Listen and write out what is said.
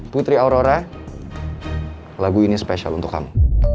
putri aurora lagu ini spesial untuk kamu